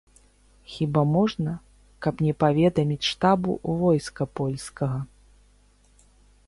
Хіба можна, каб не паведаміць штабу войска польскага!